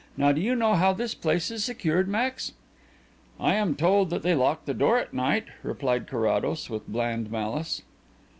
Now do you know how this place is secured, Max?" "I am told that they lock the door at night," replied Carrados, with bland malice.